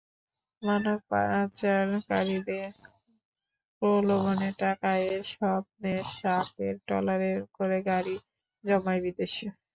মানবপাচারকারীদের প্রলোভনে টাকা আয়ের স্বপ্নে শাকের ট্রলারে করে পাড়ি জমায় বিদেশে।